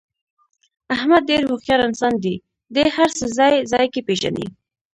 احمد ډېر هوښیار انسان دی. دې هر څه ځای ځایګی پېژني.